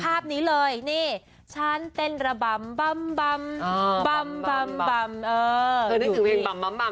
ภาพนี้เลยนี่ฉันเต้นระบำบ้ำบ้ำ